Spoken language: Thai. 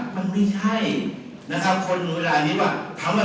มันไม่ใช่นะครับคนเวลานี้แหวะ